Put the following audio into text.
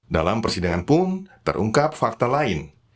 dalam persidangan pun terungkap fakta lain